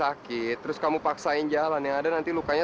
apa rambut indah yaitu tanya cuacanya